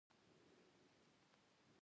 پسه د افغانستان د طبیعي زیرمو یوه برخه ده.